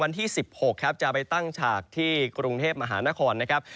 วันที่๑๖ครับจะไปตั้งฉากที่กรุงเทพมหานครนะครับ